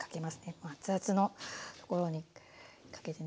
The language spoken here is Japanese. もう熱々のところにかけてね。